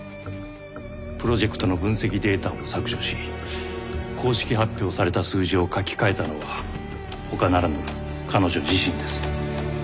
プロジェクトの分析データを削除し公式発表された数字を書き換えたのは他ならぬ彼女自身です。